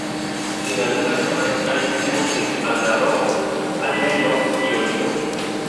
En algunas zonas hay cultivos de algarrobo, almendro y olivo.